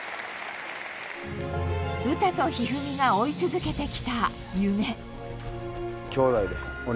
詩と一二三が追い続けてきた夢。